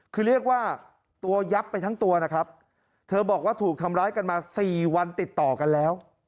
คือเรียกว่าตัวยับไปทั้งตัวนะครับเธอบอกว่าถูกทำร้ายกันมาสี่วันติดต่อกันแล้ว